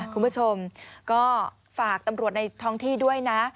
คุณผู้ชมก็ฝากตำรวจในท้องที่ด้วยนะ